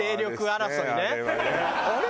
あれ？